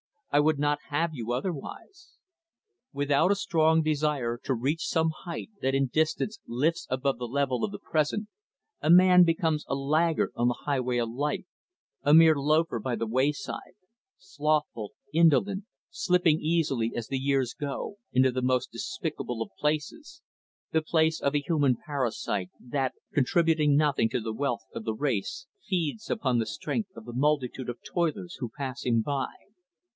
I would not have you otherwise. Without a strong desire to reach some height that in the distance lifts above the level of the present, a man becomes a laggard on the highway of life a mere loafer by the wayside slothful, indolent slipping easily, as the years go, into the most despicable of places the place of a human parasite that, contributing nothing to the wealth of the race, feeds upon the strength of the multitude of toilers who pass him by.